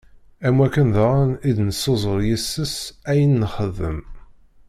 Am wakken daɣen i d-nesuzur yis-s ayen nxeddem.